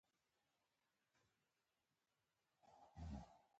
هغه ورځپاڼه په لاس کې لرله او لوستله یې